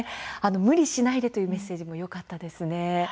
ムリしないでというメッセージもよかったですね。